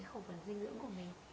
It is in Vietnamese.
khẩu phần dinh dưỡng của mình